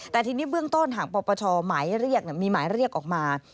แต่ทีนี้เบื้องต้นของปปชมีหมายเรียกออกมา